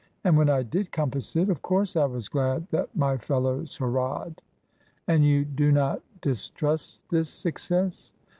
And when I did compass it, of course I was glad that my fellows hurrahed." " And you do not distrust this success